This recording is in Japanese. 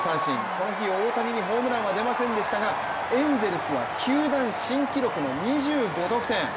この日、大谷にホームランは出ませんでしたがエンゼルスは球団新記録の２５得点。